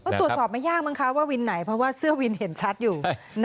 ก็ตรวจสอบไม่ยากมั้งคะว่าวินไหนเพราะว่าเสื้อวินเห็นชัดอยู่